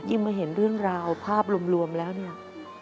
มาเห็นเรื่องราวภาพรวมแล้วเนี่ย